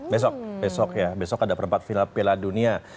besok besok ya besok ada perempat final piala dunia